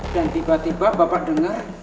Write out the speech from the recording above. dan tiba tiba bapak denger